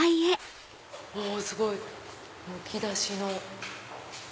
すごい！むき出しの。